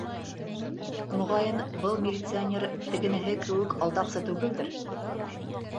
Моғайын, был милиционер тегенеһе кеүек алдаҡсы түгелдер...